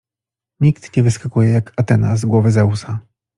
Nikt nie wyskakuje jak Atena z głowy Zeusa.